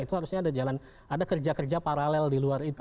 itu harusnya ada jalan ada kerja kerja paralel di luar itu